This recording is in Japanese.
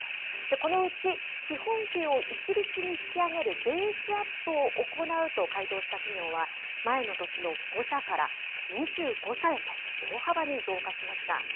このうち基本給を一律に引き上げるベースアップを行うと回答した企業は、前の年の５社から２５社へと大幅に増加しました。